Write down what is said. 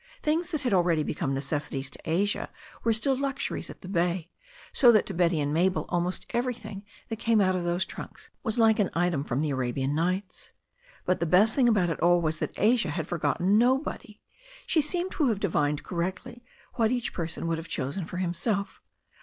Things that had already become necessities to Asia were still luxuries at the bay, so that to Betty and Mabel almost everything that came out of those trunks was like an item from The Arabian Nights. But the best thing about ft all was that Asia had forgot ten nobody. She seemed to have divined correctly what each person would have chosen for himself.